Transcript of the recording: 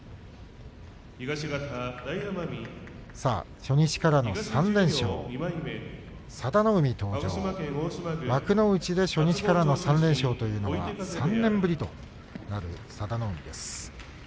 初日からの３連勝佐田の海、登場幕内で初日からの３連勝というのは３年ぶりとなる佐田の海です。